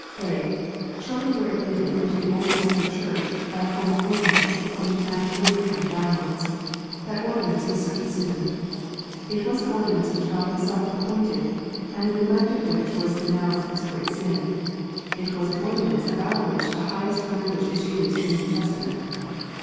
(a) Children were admitted into the Old Testament Church by a formal ordinance, from the time of Abraham downwards. That ordinance was circumcision. It was an ordinance which God Himself appointed, and the neglect of which was denounced as a great sin. It was an ordinance about which the highest language is used in the New Testament.